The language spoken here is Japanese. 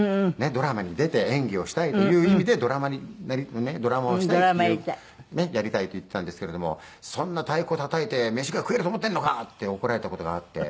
ドラマに出て演技をしたいという意味でドラマにドラマをしたいっていうやりたいと言ったんですけれども「そんな太鼓をたたいて飯が食えると思ってんのか！」って怒られた事があって。